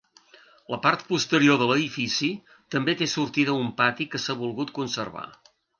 La part posterior de l'edifici també té sortida a un pati que s'ha volgut conservar.